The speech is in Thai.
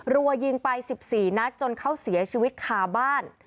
รัวยิงไป๑๔นัดจนเขาเสียชีวิตคาบ้าน